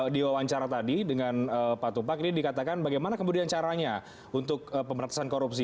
di wawancara tadi dengan pak tumpak ini dikatakan bagaimana kemudian caranya untuk pemerintahan korupsi